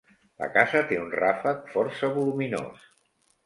La casa té un ràfec força voluminós.